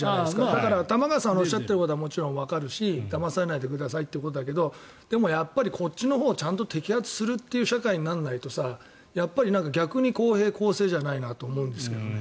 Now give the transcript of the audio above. だから玉川さんがおっしゃっていることはわかるしだまされないでくださいということだけどでもこっちのほうをちゃんと摘発する社会にならないと逆に公平公正じゃないなと思うんですけどね。